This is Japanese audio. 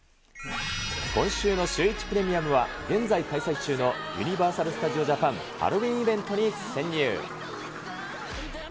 今週のシューイチプレミアムは、現在開催中のユニバーサル・スタジオ・ジャパン、ハロウィーン・イベントに潜入。